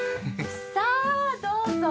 さあどうぞ！